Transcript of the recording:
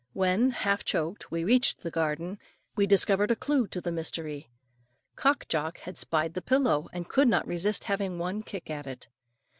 When, half choked, we reached the garden, we discovered a clue to the mystery. Cock Jock had spied the pillow, and could not resist having one kick at it.